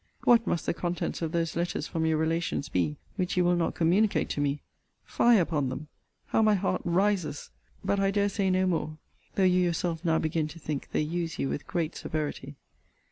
What must the contents of those letters from your relations be, which you will not communicate to me! Fie upon them! How my heart rises! But I dare say no more though you yourself now begin to think they use you with great severity.